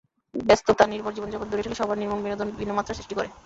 ব্যস্ততানির্ভর জীবনযাপন দূরে ঠেলে সবার নির্মল বিনোদন ভিন্ন মাত্রা সৃষ্টি করে।